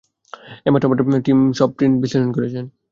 এইমাত্র আমার টিম সব প্রিন্ট বিশ্লেষণ করেছেন।